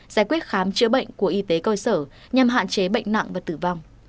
giải quyết khám chữa bệnh của y tế cơ sở nhằm hạn chế bệnh nặng và tử vong